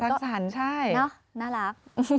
สรรค์ใช่เนอะน่ารัก